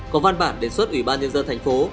có văn bản đề xuất ủy ban nhân dân thành phố